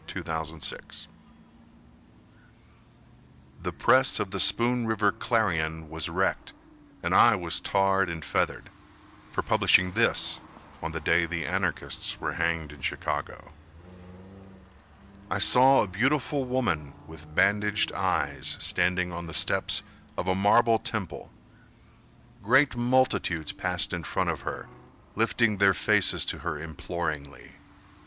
Carl Hamblin The press of the Spoon River Clarion was wrecked, And I was tarred and feathered, For publishing this on the day the Anarchists were hanged in Chicago: "I saw a beautiful woman with bandaged eyes Standing on the steps of a marble temple. Great multitudes passed in front of her, Lifting their faces to her imploringly.